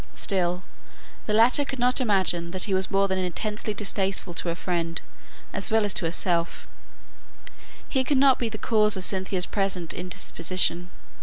Still, the latter could not imagine that he was more than intensely distasteful to her friend, as well as to herself; he could not be the cause of Cynthia's present indisposition.